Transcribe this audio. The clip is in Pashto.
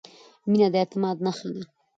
• مینه د اعتماد نښه ده.